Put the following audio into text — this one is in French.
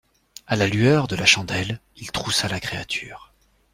A la lueur de la chandelle, il troussa la créature.